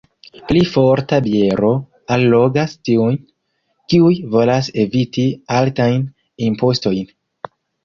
Pli forta biero allogas tiujn, kiuj volas eviti altajn impostojn.